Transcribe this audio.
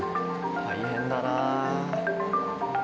大変だな。